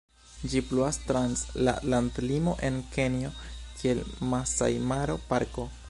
Ĝi pluas trans la landlimo, en Kenjo, kiel Masaj-Maro-Parko.